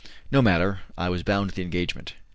No matter, I was bound to the engagement.